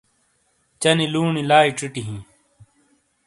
چَہ نی لُونی لائی چِٹی ہِیں۔